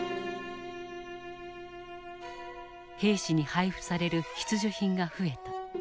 兵士に配布される必需品が増えた。